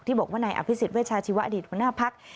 ที่บอกว่านายอภิสิตเวชาชีวอดิตบรรนาบภักดิ์